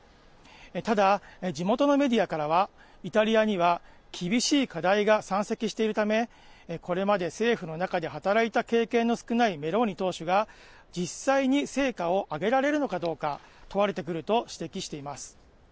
ただ、地元のメディアからはイタリアには厳しい課題が山積しているためこれまで政府の中で働いた経験の少ないメローニ党首が実際に成果を挙げられるのかどうか問われてくると指摘しています。